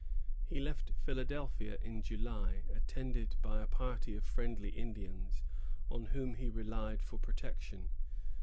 He left Philadelphia in July, attended by a party of friendly Indians, on whom he relied for protection.